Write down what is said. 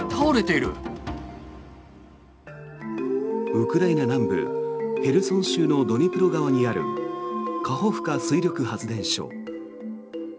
ウクライナ南部ヘルソン州のドニプロ川にあるカホフカ水力発電所。